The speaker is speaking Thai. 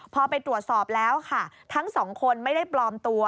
พอไปตรวจสอบแล้วค่ะทั้งสองคนไม่ได้ปลอมตัว